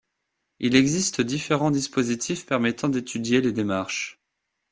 Il existe différents dispositifs permettant d'étudier les démarches.